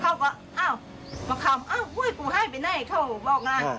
เขาก็อ้าวมาคำอ้าวเฮ้ยกูไห้ไปไหนเขาบอกล่ะ